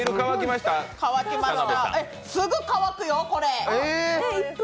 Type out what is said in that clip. すぐ乾くよ、これ。